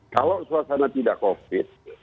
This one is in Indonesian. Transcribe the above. kalau suasana tidak covid